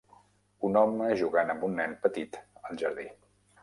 Un home jugant amb un nen petit al jardí.